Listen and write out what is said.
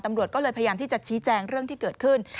ตำรวจก็เลยพยายามที่จะชี้แจงเรื่องที่เกิดขึ้น